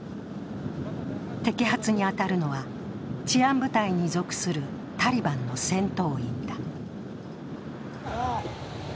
摘発に当たるのは治安部隊に属するタリバンの戦闘員だ。